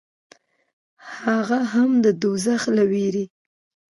هغه هم د دوزخ له وېرې و.